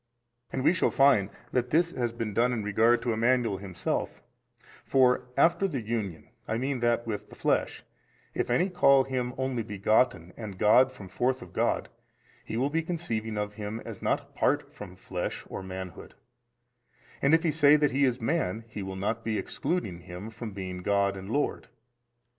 And we shall find that this has been done in regard to Emmanuel Himself: for after the Union, I mean that with the flesh, if any call Him Only Begotten and God from forth of God, he will be conceiving of Him as not apart from flesh or manhood, and if he say that He is man, he will not be excluding Him from being God and Lord 20.